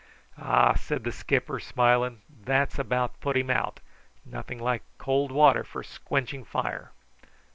"Ah!" said the skipper, smiling, "that's about put him out. Nothing like cold water for squenching fire."